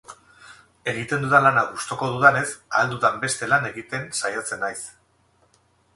Egiten dudan lana gustoko dudanez, ahal dudan beste lan egiten saiatzen naiz.